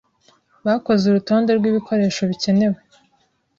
Bakoze urutonde rw’ibikoresho bikenewe